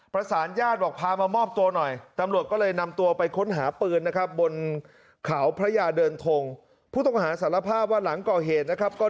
พี่โห้พี่โห้พี่โห้พี่โห้พี่โห้พี่โห้พี่โห้พี่โห้พี่โห้พี่โห้